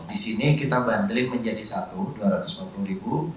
di sini kita bandelin menjadi satu dua ratus lima puluh ribu